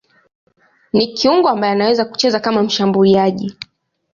Ni kiungo ambaye anaweza kucheza kama mshambuliaji.